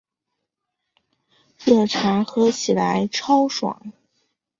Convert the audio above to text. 热茶喝起来超爽